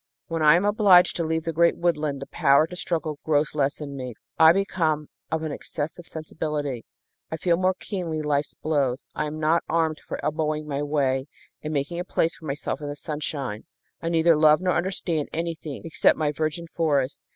When I am obliged to leave the great woodland the power to struggle grows less in me. I become of an excessive sensibility. I feel more keenly life's blows. I am not armed for elbowing my way and making a place for myself in the sunshine. I neither love nor understand anything except my virgin forest.